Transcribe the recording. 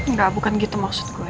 enggak bukan gitu maksud gue